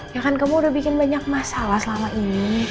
ya kan kamu udah bikin banyak masalah selama ini